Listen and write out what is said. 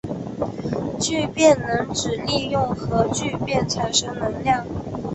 聚变能指利用核聚变产生能量。